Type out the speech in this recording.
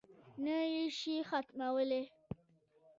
نه یې شي ختمولای.